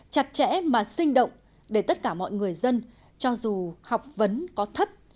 chặt chẽ mà sinh động để tất cả mọi người dân cho dù học vấn có thấp